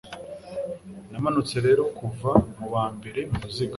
Namanutse rero kuva mubambere muruziga